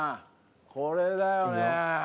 これだよね